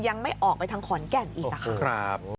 ยังไม่ออกไปทางขอนแก่นอีกค่ะ